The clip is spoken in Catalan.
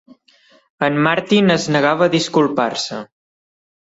En Martin es negava a disculpar-se.